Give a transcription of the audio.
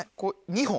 ２本。